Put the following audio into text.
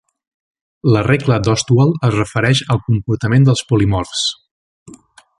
La regla d'Ostwald es refereix al comportament dels polimorfs.